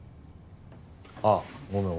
ああごめん。